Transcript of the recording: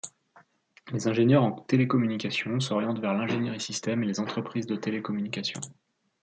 Les ingénieurs en télécommunications s'orientent vers l'ingénierie système et les entreprises de télécommunications.